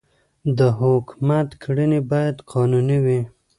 د حکومت کړنې باید قانوني وي